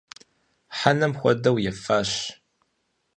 Хьэнэм хуэдэу ефащ.